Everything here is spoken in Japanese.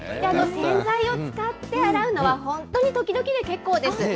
洗剤を使って洗うのは、本当に時々でけっこうです。